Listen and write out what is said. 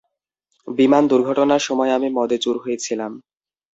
বিমান দূর্ঘটনার সময় আমি মদে চুর হয়ে ছিলাম।